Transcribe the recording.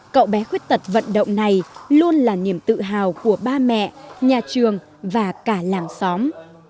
cậu bé khuyết tật vận động này luôn là niềm tự hào của ba mẹ nhà trường và cả làng xóm